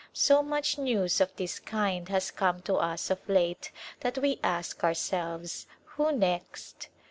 So much news of this kind has come to us of late that we ask ourselves, Who next